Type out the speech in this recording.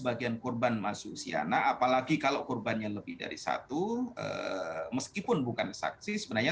bagian korban masuk siana apalagi kalau korbannya lebih dari satu meskipun bukan saksi sebenarnya